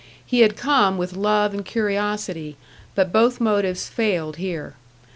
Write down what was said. He had come with love and curiosity, but both motives failed here.